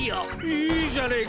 いいじゃねえか。